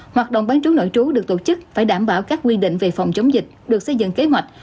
hoạt động bán trú nội trú được tổ chức phải đảm bảo các quy định về phòng chống dịch được xây dựng kế hoạch